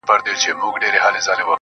چي خپلي سپيني او رڼې اوښـكي يې.